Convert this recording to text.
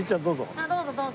あっどうぞどうぞ。